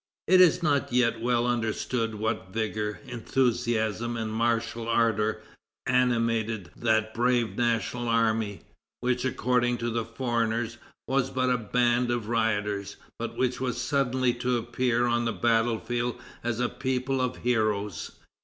It is not yet well understood what vigor, enthusiasm, and martial ardor animated that brave national army, which, according to the foreigners, was but a band of rioters, but which was suddenly to appear on the battle field as a people of heroes.